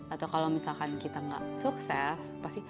atau kalau misalkan kita nggak sukses pasti